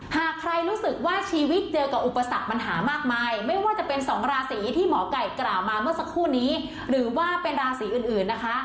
หากใครรู้สึกว่าชีวิตเจอกับอุปสรรคปัญหามากมายไม่ว่าจะเป็นสองราศีที่หมอไก่กล่าวมาเมื่อสักครู่นี้หรือว่าเป็นราศีอื่นนะคะ